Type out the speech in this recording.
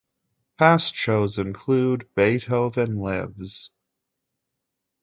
Past shows include: Beethoven Lives!